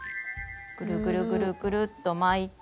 ぐるぐるぐるぐると巻いて。